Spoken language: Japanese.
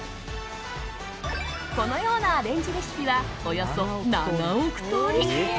このようなアレンジレシピはおよそ７億通り。